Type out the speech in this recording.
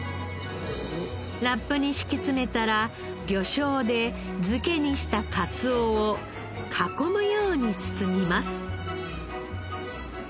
ラップに敷き詰めたら魚醤で漬けにしたカツオを囲むように包みます。